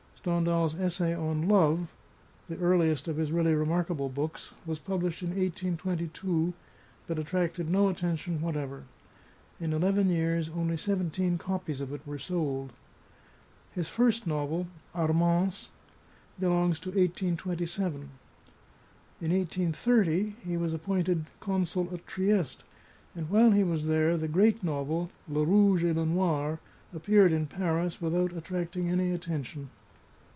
Stendhal's essay on " Love," the earliest of his really remarkable books, was pub lished in 1822, but attracted no attention whatever; in eleven years only seventeen copies of it were sold. His first novel, "Armance," belongs to 182/. In i8jo he was appointed con sul at Trieste, and while he was there the great novel, " Le Rouge et le Noir," appeared in Paris without attracting any attention.